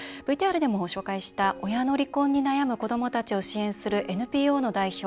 ＶＴＲでもご紹介した親の離婚に悩む子どもたちを支援するＮＰＯの代表